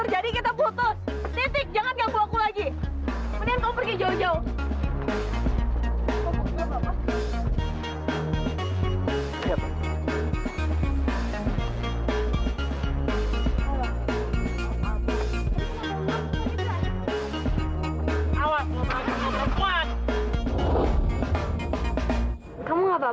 nanti nggak papa itu teh itu cowok emang kurang ajar berani beraninya nyakitin